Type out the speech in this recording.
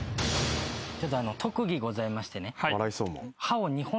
ちょっとあのう特技ございましてね。